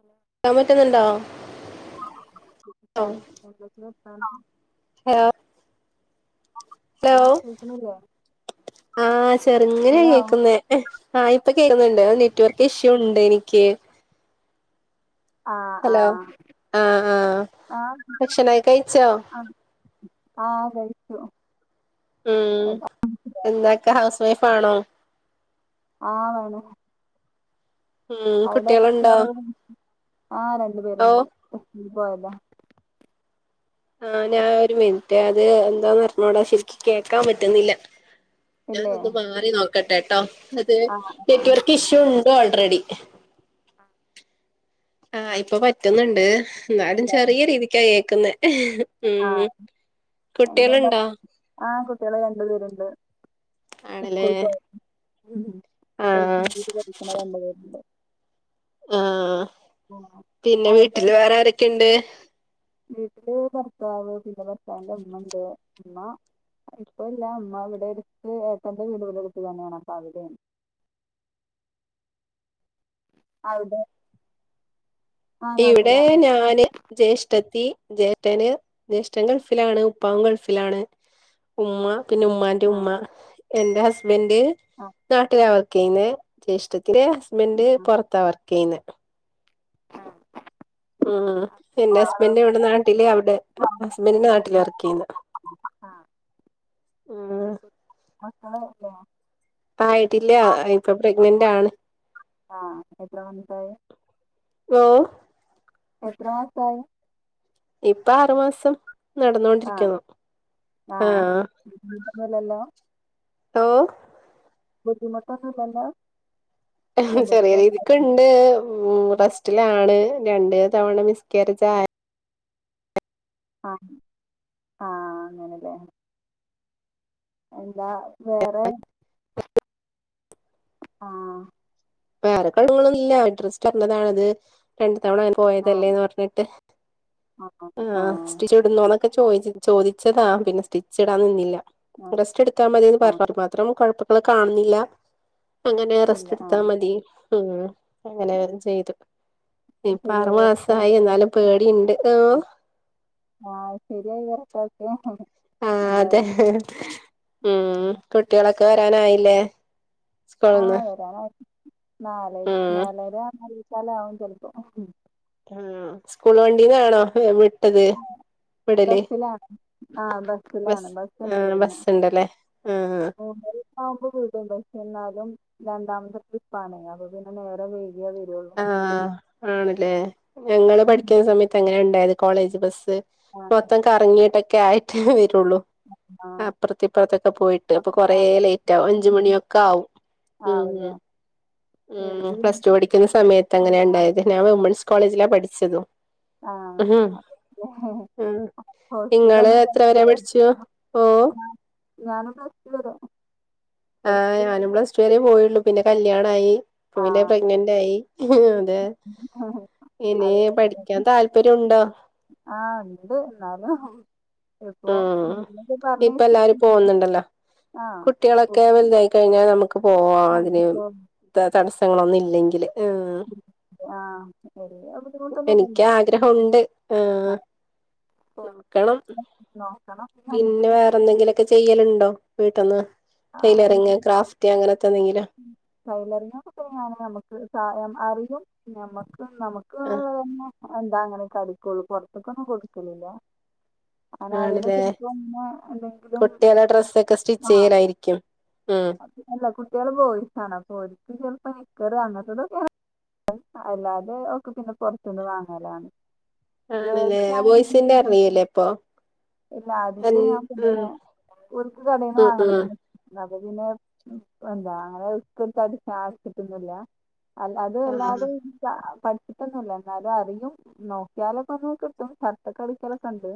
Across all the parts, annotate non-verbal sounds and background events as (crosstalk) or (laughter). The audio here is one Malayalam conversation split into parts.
ഹലോ പറ്റ്ന്നുണ്ടോ (unintelligible) (unintelligible) (unintelligible) ഹലോ ഹലോ ആഹ് കേൾക്കുന്നില്ലേ ആഹ് ഹലോ ചെറ്ങ്ങനെയേക്കുന്നേ ഏഹ് ആഹ് ഇപ്പ കേക്കുന്നുണ്ട് അഹ് നെറ്റ്‌വർക്ക് ഇഷ്യൂ ഉണ്ടെനിക്ക് ആഹ് ഹലോ ആഹ് ആഹ് ആഹ് ആഹ് ഭക്ഷണായ് കഴിച്ചോ ആഹ് ആഹ് കഴിച്ചു ഉം എന്താക്ക ഹൗസ് വൈഫാണോ ആഹ് ആണു ഉം അവ്ടെ കുട്ടികളുണ്ടോ (unintelligible) ആഹ് രണ്ടു ഓ പേരുണ്ട് സ്കൂളി പോയതാ ആഹ് ഞാ ഒരു മിനിറ്റേ അത് എന്താന്നറ്ഞ്ഞൂടാ ശരിക്കും കേൾക്കാ പറ്റുന്നില്ല ഇല്ലേ ഞാനൊന്ന് മാറി നോക്കട്ടേട്ടോ (unintelligible) ആഹ് ആഹ് നെറ്റ്‌വർക്ക് ഇഷ്യൂണ്ട് ഓൾറെഡി ആഹ് ആഹ് ഇപ്പൊ പറ്റ്ന്നുണ്ട് ന്നാലും ഉണ്ട് ചെറിയ രീതിക്കായേക്കുന്നേ ഉം ആഹ് എങ്ങനെ ബ കുട്ടിയള്ണ്ടോ? ആഹ് കുട്ടിയള് രണ്ട് പേരുണ്ട് ആണല്ലേ സ്കൂളി പോയെ എൽ കെ ആഹ് ജിയില് പഠിക്ക്ണ രണ്ട് പേരുണ്ട് ആഹ് ആഹ് പിന്നെ അവിടെ വീട്ടില് വേറെ ആരൊക്കെണ്ട്? വീട്ടില് ഭർത്താവ് പിന്നെ ഭർത്താവിന്റെ ഉമ്മണ്ട് ഉമ്മ ഇപ്പൊയില്ല ഇമ്മ ഇവിടെ എടുത്ത് ഏട്ടന്റെ വീട് ഇവടെ അട്ത്ത് തന്നെയാണ് അപ്പ അവിടെ അവ്ടെ? ഇവിടെ ഞാന് ജ്യേഷ്ഠത്തി ജ്യേഷ്ഠന് ജ്യേഷ്ഠൻ ഗൾഫിലാണ് ഉപ്പാവും ഗൾഫിലാണ് ഉമ്മ പിന്നെ ഉമ്മാന്റെ ആ ഉമ്മ എന്റെ ഹസ്ബൻഡ് ആ നാട്ടിലാ വർക്കെയ്യുന്നെ ജേഷ്ഠത്തിന്റെ ആ ഹസ്ബൻഡ് പൊറത്താ വർക്കെയ്യുന്നേ ഉം ആ എന്റെ ആള് ഹസ്ബൻഡ് ഇവടെ നാട്ടില് അവ്ടെ ആ, (unintelligible) ഹസ്ബൻഡിന്റെ നാട്ടിലാ വർക്കെയ്യുന്നേ ആ. ഉം (unintelligible) മക്കള് ഇല്ലേ? പ്പായിട്ടില്ലാ ഇപ്പം പ്രഗ്നന്റാണ് ആഹ് ഇപ്പ എത്ര (unintelligible) വോ എത്രമാസായി ഇപ്പാറുമാസം നടന്നോണ്ടിരിക്കാന്നു ആഹ് (unintelligible) അല്ലല്ലോ ഓഹ് ബുദ്ധിമുട്ടൊന്നുല്ലല്ലോ ചെറിയ രീതിക്ക്ണ്ട് ഉം റസ്റ്റിലാണ് രണ്ട് തവണ മിസ്കേരേജാ ആഹ് ആഹ് അങ്ങനെല്ലേ എന്താ വേറെ ആഹ് വേറെ കൊഴ്പ്പങ്ങളൊന്നില്ല ബെഡ് റെസ്റ്റ് പറ്ഞ്ഞതാണത്. രണ്ട് തവണ അ ആ പോയതല്ലേന്ന് പറഞ്ഞിട്ട് ആ ആ ആഹ് (unintelligible) ഇട്ന്നോന്നൊക്കെ ചോയ്ച്ച് ചോദിച്ചതാ പിന്നെ സ്റ്റിച്ച്ടാൻ നിന്നില്ല ആ റെസ്റ്റെടുത്താ മതിന്ന് ആ പറഞ്ഞത് (unintelligible) മാത്രം കൊഴപ്പങ്ങളെ കാണുന്നില്ല അങ്ങനെ ഇല്ല റസ്റ്റെട് ആ തി ഉം അങ്ങനെ അവരും ചെയ്തു ഇപ്പാറു ശരിയായി വരട്ടെ മാസായി എന്നാലും പേടിണ്ട് ഏഹ് ആഹ് ശരിയായി വെരട്ടൊക്കെ ആ അതെ ഉം കുട്ടികളൊക്കെ വരാനായില്ലേ? ആഹ സ്കൂളിന്ന് വരാനായി നാലെ ഉം നാലര മുക്കാലാആവും ചെലപ്പോ? ഉ സ്കൂൾ വണ്ടീലാണോ വിട്ടത്. വിടല് ബസ്സിലാണ് ആഹ ബസ് ബസ്സിലാണ് ബസ്സുണ്ട് ആഹ് ഇവിടുന്ന് ബസ്സുണ്ടല്ലേ ആഹ് (unintelligible) ആവുമ്പോ വീട്ണ്ട് പക്ഷെ എന്നാലും രണ്ടാമത്തെ ട്രിപ്പ ആണ് അപ്പൊ പിന്നെ നേരെ വ ഏ നിരോധ് - ആ ആണല്ലേ ഞങ്ങള് പഠിക്കുന്ന സമയത്ത് എങ്ങനെ ഉണ്ടായത് കോളേജ് ബസ് ആഹ് മൊത്തം കറങ്ങിട്ടൊക്കെ ആയിട്ടേ വരുള്ളൂ ആഹ് അപ്പുറത്തെ ഇപ്പുറത്തൊക്കെ പോയിട്ട് അപ്പൊ കൊറേ ലേറ്റ് ആകും അഞ്ചുമ മണിയൊക്കെ ആകും. ആവുല്ലേ? ഉ പ്ലസ ടു പഠിക്കുന്ന സമയത്ത് അങ്ങനെ ഉണ്ടായത് ഞാൻ വിമൻസ് കോളേജിലാ പഠിച്ചതു ആഹ് ഹഹ ഉ ഇങ്ങള് ഹോസ്റ്റലിലൊന്നും എത്ര വരെ പടിച്ചോ ഓ ഞാനും പ്ലസ്റ്റുവരെ ആ് ഞാനും പ്ലസ് ടു വരെേ പോയുള്ളു പിന്നെ കല്യാണായി പിന്നെപ്രഗ്നന്റ് ആയി അതെ ആഹ് ഇനി അത് പഠിക്കാൻ താല്പര്യംണ്ടോ? ആഹ് ഉണ്ട് എന്നാലും എപ്പോ ഉം (unintelligible) പറഞ്ഞെ ഇപ്പ എല്ലാരും (unintelligible) പോകുന്നുണ്ടല്ലോ കുട്ടികളൊക്കെ വലുതായി കഴിഞ്ഞാ നമുക്ക് പോവാ അതിന് ത തടസ്സങ്ങളൊന്നും ഇല്ലെങ്കില് ആഹ് ആഹ് വല്യ ബുദ്ധിമുട്ടൊന്നും എനിക്ക് ഇല്ലല്ലേ ആഗ്രഹമുണ്ട് ആഹ് നോക്കണം നോക്കണം അല്ലെങ്കിലും ഒക്കെ ചെയ്യലുണ്ടോ വീട്ട്ന്ന് ടൈലറിങ് ക്രാഫ്റ്റ് അങ്ങനത്തെ എന്തെങ്കിലും ഉം ടൈലറിങ്ങൊക്കെ തുടങ്ങാന് നമ്മുക്ക് സ യമ്മ് അറിയും നമ്മക്ക് ആഹ് നമ്മുക്ക്ള്ളതന്നെ എന്താ അങ്ങനെക്കടിക്കുള്ളൂ പുറത്തേക്കൊന്നും കൊടുക്കലില്ല അങ്ങനെ ആരെങ്കിലും ആണില്ലേ ചിലപ്പോ ഇങ്ങനെ എന്തെങ്കിലും കുട്ടികളെ ഡ്രെസ്സൊക്കെ സ്റ്റിച്ച് ആഹ് ചെയ്യലായിരിക്കും ഉം അല്ല കുട്ടികള് ബോയിസാണ് അപ്പൊ ഓരിക്ക് ചെല്പ്പോ നിക്കറ് അങ്ങത്തതൊക്കെ ങ്ങ അല്ലാ അത് ഒക്കെ പിന്നെ പൊറത്തുന്ന് വാങ്ങലാണ് ആണല്ലേ ഗേൾസ് ബോയ്സിന്റ ആണെന്നുണ്ടെങ്കിൽ അർണിയല്ലേ അപ്പൊ ഇല്ല ആതില് ഞാൻ പിന്നെ ഇവർക്ക് കടെന്ന് ഉം ഉം വാങ്ങല് (unintelligible) അത് പിന്നെ ഉം എന്താ അങ്ങനെ കൃത്യായിട്ട് ശാസിച്ചിട്ടൊന്നുല്ല അല്ല അത് ആഹ് അല്ലാതെ പിന്നെ ജാ പന് കിട്ടുന്നില്ല എന്നാലും അറിയും നോക്കിയാലൊക്കെ ഒന്ന് കിട്ടും ഷർട്ടൊക്കെ അടിക്കലൊക്കെ ഉണ്ട്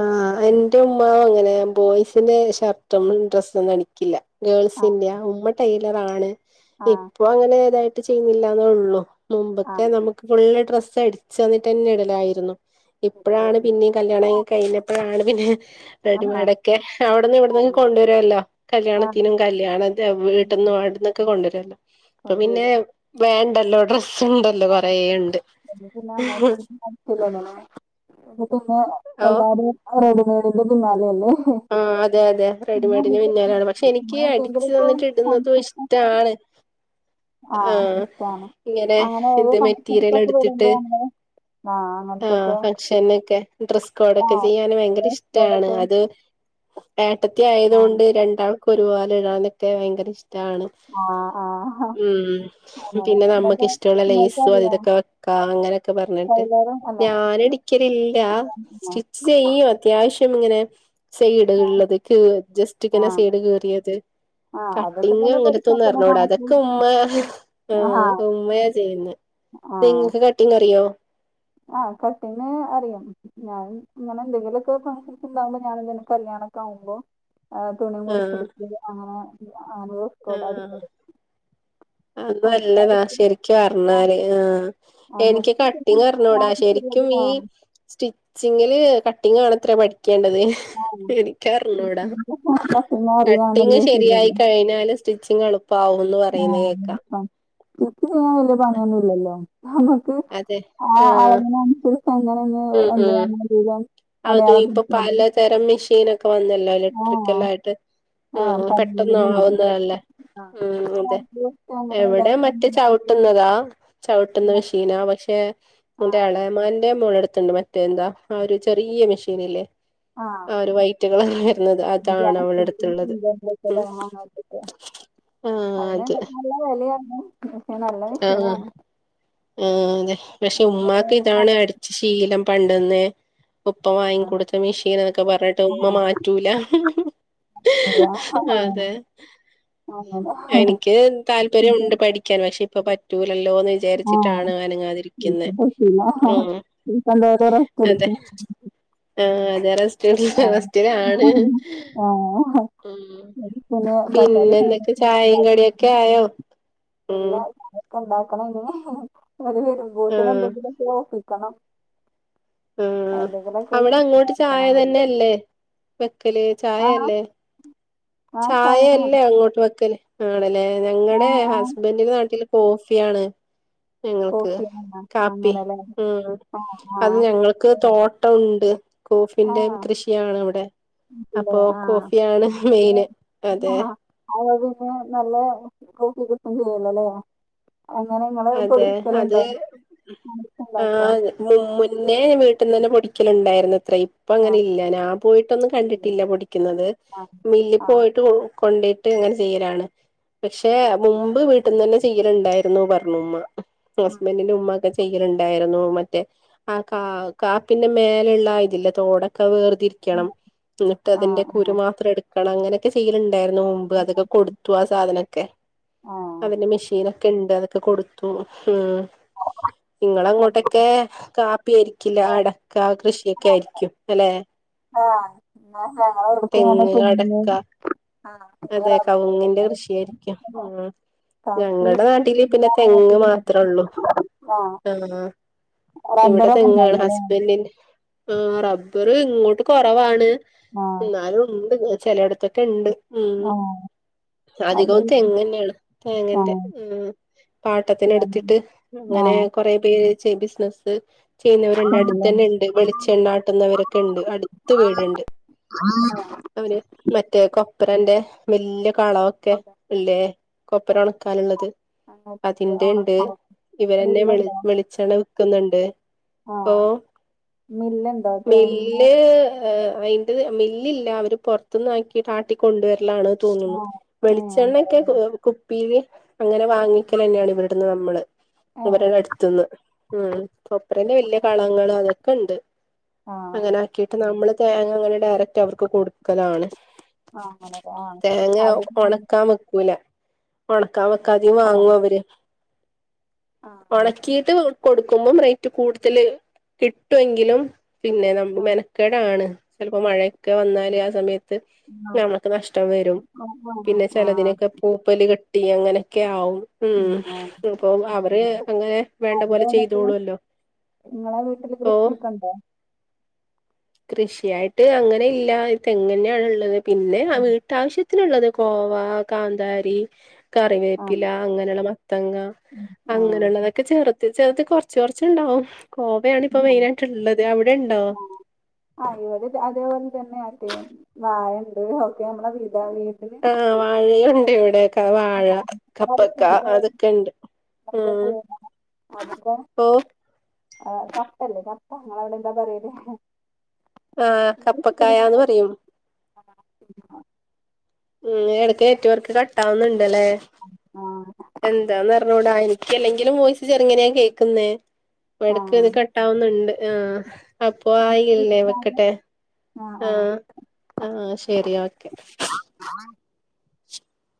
ആഹ് എന്റെ ഉമ്മാ അങ്ങനെ ബോയ്സിന്റെ ഷർട്ടും ഡ്രസ്സൊന്നും അടിക്കില്ല ആ ഗേൾസിന്റെയാ ഉമ്മ ടൈയിലറാണ് ആ ഇപ്പൊ അങ്ങനെ ഏതായിട്ട് ചെയ്യുന്നില്ലാന്നെ ഉള്ളു ആ മുമ്പൊക്കെ നമുക്ക് ഫുള്ള് ഡ്രസ്സ് അടച്ച് തന്നിട്ട് തന്നെ ഇടലായിരുന്നു ഇപ്പഴാണ് ഇടലായിരുന്നു പിന്നേം ആ കല്യാണക്ക കഴിഞ്ഞപ്പഴാണ് പിന്നെ ആ ആ റെഡിമെഡ് ഒക്കെ അവിടുന്നും ഇവിടുന്നക്കെ കൊണ്ടുവരുവല്ലോ ആ കല്യാണത്തിനും കൽ ല്യാണത്തി വീട്ടിന്നും അവിടുന്നൊക്കെ കൊണ്ടുവരവല്ലോ അപ്പൊ പിന്നെ കൊണ്ടുവരും വേണ്ടല്ലോ ഡ്രസ്സ് ഉണ്ടല്ലോ കൊറെ ഉണ്ട് എങ്കി പിന്നെ മോൾക്ക് വേണ്ടി (unintelligible) എങ്കി പിന്നെ ഓഹ് എല്ലാരും റെഡിമേഡിന്റെ പിന്നാലെ അല്ലെ ആഹ് അതെ അതെ റെഡിമെയ്ഡിന് പിന്നാലാണ് പക്ഷെ എനിക്ക് (inaudible) ള് ആഹ് ഇങ്ങനെ അങ്ങനെ ഓരോ ഇത് മെറ്റീരിയൽ ഫംഗ്ഷൻസൊക്കെ എടുത്തിട്ട് വരുമ്പോ നമ്മള് ആ ആഹ് അങ്ങനത്തൊക്കെ ഫങ്ങ്ഷനൊക്കെ ഡ്രസ്സ് ആ കോഡൊക്കെ ചെയ്യാൻ ഭയങ്കര ഇഷ്ടാണ് ഒക്കെ അത് ഏട്ടത്തി ആയത് ആ കൊണ്ട് രണ്ടാൾക്കും ഒരുപോലെ ഇടാനൊക്കെ ഭയങ്കര ഇഷ്ട്ടാണ് ആഹ് ആഹ് ഉം പിന്നെ നമ്മക്ക് ഇഷ്ട്ടൊള്ള ലേയ്സും അതി നിങ്ങൾക്കറിയോ ഇതൊക്കെ വെക്കാ അങ്ങനൊക്കെ പറഞ്ഞിട്ട് ടൈലറിങ് അല്ല ഞാനടിക്കലില്ല ആ സ്റ്റിച്ച് ചെയ്യും അത്യാവശ്യം ഇങ്ങനെ സൈഡ്കളിലെദ് കി ജസ്റ്റ് ഇങ്ങനെ സൈഡ് കീറിയത് ആ ആ അതൊക്കെ കട്ടിങ്ങ് തന്നെ ങ്ങൻത്തെ പഠിച്ചാൽ ഒന്നും തന്നെ അറിഞ്ഞുകൂടാ അതെക് നമുക്ക് ക്കെ ഉമ്മയാ ആ ആഹ് ഉമ്മയാ ചെയ്യുന്നെ നിങ്ങക്ക് കട്ടിങ്ങ് അറിയോ ആഹ് കട്ടിങ്ങ് അറിയും ഞാൻ ഇങ്ങനെന്തെങ്കിലു ഒക്കെ ഫങ്ഷൻസ് ഉണ്ടാകുമ്പോ ഞാനെന്താണ് കല്ല്യാണൊക്കെ ആകുമ്പോ ആഹ് തുണി ആഹ് മുറിച്ചെടുത്ത് അങ്ങനെ അത് ഡ്രസ്സ്‌ കോഡ്ആകും ആഹ് അത് നല്ലതാ അടിച്ച് ശരിക്കു ആ അർഞ്ഞാല് ആഹ് ആ എനിക്ക് മൊത്തത്തിൽ കട്ട് ട്ടിങ്ങ് പിന്നെ ആ അറിഞ്ഞൂടാ ശരിക്കും ചെറിയത് ഈ ആ സ്റ്റിച്ചിങ്ങില് കട്ടിംങ്ങ് ആണത്രെ പഠിക്കേണ്ടത് ആ എനിക്കറിഞ്ഞൂടാ പശുവിനെ അറിയാൻ കട്ടിങ്ങ് വലിയ ശരിയായി സുഖല്ലേ. കഴിഞ്ഞാല് സ്റ്റിച്ചിങ്ങ് എളുപ്പാകൂന്ന് പറയുന്ന് കേക്കാ സ്റ്റിച്ച് ചെയ്യാൻ വല്ല്യ പണിയൊന്നും ഇല്ലല്ലോ ക്ക്‌ അതെ ആ ആഹ് അളവിനനുസരിച്ച് അങ്ങനെ ഒന്ന് (unintelligible) അതെ ഇപ്പൊ പലതരം മെഷീനൊക്കെ വന്നല്ലോ ആഹ് ഇലക്ട്രിക്കലായിട്ട് ആഹ് ഉം പെട്ടന്ന് പതിഞ്ഞതുണ്ട്. ആവുന്നതല്ലേ ഉം തെ അങ്ങനെ എവിടെ ഇതാക്കാൻ മറ്റേ ചവിട്ടുന്നതാ ചവിട്ടുന്ന മെഷീനാ പക്ഷേ എന്റെ ആഹ് എളേമാൻ (unintelligible) മോളെടുത്തുണ്ട് മറ്റേ എന്താ ആ ഒരു ചെറിയ മെഷീനില്ലേ ആഹ് ഒരു വയ്റ്റ് കളറ് വരുന്നത് അതാണ് അവളടുത്തുള്ളത് ഉം അങ്ങനത്തൊക്കെ ആ അതിന് അത് നല്ല വെലയാണ് (unintelligible) ആഹ് ആഹ് അതെ പക്ഷേ ഉമ്മാക്ക് ഇതാണ് അടി ച്ച് ശീലം പണ്ടന്നേ ഉപ്പ വാങ്ങിക്കൊടുത്ത മെഷീനാന്നൊക്കെ പറഞ്ഞിട്ട് ആഹ് ഉമ്മ മാറ്റൂലാ ആഹ് അതെ അങ്ങനെ. എനിക്ക് താല്പര്യം ഉണ്ട് പഠിക്ക ക്കാന് പക്ഷേപ്പ പറ്റൂലല്ലോന്ന് വിചാ ആഹ് വിചാരിച്ചിട്ടാണ് അനങ്ങാതിരിക്കുന്നെ ഇപ്പൊ പറ്റൂല. ഉം ഇപ്പൊ എന്തായാലും റെസ്റ്റ് അതെ എടുക്കും. ആഹ് അതേ റെസ്റ്റ് ആഹ്. റസ്റ്റിലാണ് ആഹ്. ഉം പിന്നെ പറ്റാത്ത സമയത്ത് പിന്നെന്തൊക്കെ ചായയും കടിയൊക്കെ ആയോ ഉം ഇല്ലാ (unintelligible) ഒക്കെണ്ടാക്കണൊള്ളൂ ഓല് വരുമ്പോത്തിന് ആഹ് എന്തെങ്കിലും ഓപ്പിക്കണം ഉം അവിടെ അങ്ങോട്ട് ചായ അങ്ങനെ. തന്നെഅല്ലേ വെക്കല് ആഹ് ചായയല്ലേ ആഹ് ചായന്നോ? ചായയല്ലേ അങ്ങോട്ട് വെക്കല് ആണല്ലേ ഞങ്ങളുടെ ആഹ് ആഹ് ഹസ്ബന്റ്ന്റെ നാട്ടില് കോഫിയിയാണ് ഞങ്ങൾക്ക് കോഫി ആണോ? കാപ്പി അങ്ങനെല്ലേ. ഉം ആഹ് അത് ആഹ്. ഞങ്ങൾക്ക് തോ ട്ട ഉണ്ട് കോഫിന്റെ ആഹ് കൃഷിയാണ് ഇവിടെ ഇല്ലേ അപ്പോ ആഹ്. കോഫിയാണ് മെയിന് അതേ (unintelligible) നല്ല കോഫി കിട്ടും ചെയ്യല്ലോലേ അങ്ങനെ ഇങ്ങള് അതെ അത് പൊടിക്കലുണ്ടോ (unintelligible) മുമ്മുന്നേ വീട്ടിൽ നിന്ന് തന്നെ പൊടിക്കലുണ്ടായിരുന്നുത്രയും ഇപ്പ ആ അങ്ങനെ ഇല്ല ഞാൻ പോയിട്ടൊന്നും കണ്ടിട്ടില്ല പൊടിക്കുന്നത് ആ മില്ല് ആ പോയിട്ട് കൊണ്ടോയിട്ട് ഇങ്ങനെ ചെയ്യലാണ് പക്ഷേ മുമ്പ് വീട്ടിന്നന്നെ ചെയ്യലുണ്ടായിരുന്നു പറഞ്ഞുമ്മ ഉം. ഹസ്ബന്റിന്റെ ഉമ്മ ഒക്കെ ചെയ്യലുണ്ടായിരുന്നു മറ്റേ ആ കാ കാ പിന്നെ മേലള്ള ഇതില്ലേ തോടൊക്കെ വേർതി ക്കണം എന്നിട്ട് ആ ആ അതിന്റെ കുരു മാത്രം എടു ക്കണം അങ്ങനെയൊക്കെ ചെയ്യലുണ്ടായിരുന്നു മുമ്പ് അതൊക്കെ കൊടുത്തു ആ സാധനൊക്കെ ആ അതിന്റെ മെഷീനൊക്കെണ്ട് അതൊക്കെ കൊടുത്തു ഉം നിങ്ങള അത് അങ്ങോട്ടൊക്കെ കാപ്പി ആയിരിക്കില്ല ആ അടക്ക കൃഷിയൊക്കെ ആയിരിക്കും അല്ലേ ആഹ് ന്നാ ഞങ്ങളെവിട്ക്കും തെങ്ങ് അടക്ക (unintelligible) ആഹ് അതെ കവുങ്ങിന്റെ കൃഷിയായിരിക്കും ഉം കാപ്പി ഞങ്ങടെ നാട്ടില് തേയില പിന്നെ അങ്ങനത്തെ തെങ്ങ് മാത്രള്ളൂ ആ ആഹ് ഇവിടെ റബ്ബറൊന്നും തെങ്ങാണ് ഉണ്ടാവില്ലല്ലേ ഹസ്ബൻന്റിന്റെ ആ റബ്ബർ ഇങ്ങോട്ട് കുറവാണ് ആ എന്നാലും ഉണ്ട് ചിലയിടത്തൊക്കെ ഉണ്ട് ഉം ആഹ് അധികവും തെങ്ങന്നെയാണ് ആ തേങ്ങേന്റെ ഉആ പാട്ടത്തിനെടുത്തിട്ട് ആ അങ്ങനെ കൊറെ പേര് ചെംബിസിനസ്സ് ചെയ്യുന്നവരുണ്ട് ആണല്ലേ അടുത്തന്നെ ഇണ്ട് വെളിച്ചെണ്ണാട്ടുന്നവരൊക്കെ ഇണ്ട് അടുത്ത് വീടുണ്ട് ആഹ് അവന് മറ്റേ കൊപ്പ്രന്റെ വല്ല്യ കള ക്കെ അല്ലേ കൊപ്ര ഒണക്കാനുള്ളത് അങ്ങനെ അതിന്റെ ഇണ്ട് ഉണക്കം ഇവരന്നെ വെളി മില്ലുണ്ടോ വെളിച്ചെണ്ണ വിക്ക്ന്ന്ണ്ട് ആ ഓഹ് മില്ലുണ്ടോ തേങ്ങ മില്ല് അ മില്ലില്ല അവര് പുറത്തുന്ന് ആക്കി ആട്ടി കൊണ്ടുവരലാണ് തോന്നുന്നു ആഹ് ഏഹ് വെളിച്ചെണ്ണക്ക് അങ്ങനെല്ലേ കുപ്പീല് അങ്ങനെ വാങ്ങിക്കലന്നാണ് ഇവിടെന്ന് നമ്മള് അവര്ടെ ഏഹ് അടുത്തുന്ന് ഉം കൊപ്പ്രേന്റെ വലിയ ആഹ് കളങ്ങളും അതൊക്കെണ്ട് ആഹ് അങ്ങനെ ആക്കിട്ട് നമ്മള് തേങ്ങ അങ്ങനെ ഡയറക്റ്റ് അവർക്ക് കൊടുക്കലാണ് ആഹ് അങ്ങനെല്ലേ ആഹ് തേങ്ങ അത് ഉണക്കാൻ വെക്കൂല ഒണക്കാൻ വെക്കാങ്കീ വാങ്ങും അവര് ആഹ് ആഹ് ഒണക്കീട്ട് കൊടുക്കുമ്പം റേറ്റ് കൂടുതല് കിട്ടു എങ്കിലും പിന്നെ നമ്മക്ക് ആഹ് മെനക്കേടാണ് ചെലപ്പോ മഴയൊക്കെ വന്നാല് ആ സ സമയത്ത് നമ്മക്ക് നഷ്ടം വരും പിന്നെ ആഹ് ആഹ് ചെലതിനൊക്കെ പൂപ്പല് കെട്ടി അങ്ങനൊക്കെ ആവും ഉം അപ്പൊ അവര് അങ്ങനെ വേണ്ട അവിടെ പോലെ എന്നിട്ട് ചെയ്തോളൂല്ലോ നിങ്ങളെ വീട്ടില് ഓ കൃഷിക്ക്ണ്ടോ കൃഷിയായിട്ട് അങ്ങനെ ഇല്ല തെങ്ങന്നെ യാണ്ള്ളത് പിന്നെ ആ വീട്ടാവശ്യത്തി ത്തിനുള്ളത് കോവ കാന്താരി കറിവേപ്പില ആഹ് അങ്ങനെയുള്ള മത്തങ്ങ ആഹ് അങ്ങനെയുള്ളതൊക്കെ ചെറുത്തി ചെറത്തി കൊറച്ച് കൊറച്ചുണ്ടാവും കോവയാണിപ്പോ മെയിനായിട്ട്ള്ളത് അവിടെണ്ടോ? ആ ഇടെ അതേപോലെ തന്നെയ വായണ്ട് ഒക്കെ നമ്മളെ വീട വീട്ടില് ആ വാഴയുണ്ട് ഇവിടെ വാഴ കപ്പക്ക ആവശ്യത്തിന് അതൊക്കെണ്ട് ഓ (inaudible) ആ കപ്പല്ലേ കപ്പ നിങ്ങവിടെ എന്താ പറയല് ആഹ് കപ്പക്കായാന്ന് പറയും ഉം ഇടക്ക് നെറ്റ് വർക്ക് കട്ടാവുന്നുണ്ടല്ലേ ആഹ് എന്താന്ന് അറിഞ്ഞൂട എനക്ക് എല്ലെങ്കിലും വോയിസ് ചെറുങ്ങനെയ കേൾക്കുന്നെ എടക്ക് ആഹ് ഇത് ക ട്ടാവുന്നുണ്ട് ആ അപ്പൊ അങ്ങനെ ചെയ്യാൻ ആയില്ലേ പാടില്ല. വെക്കട്ടെ ആ ആ ആഹ് ആഹ് ശെരി ഓക്കെ